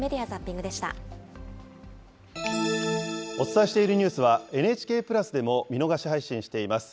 お伝えしているニュースは、ＮＨＫプラスでも見逃し配信しています。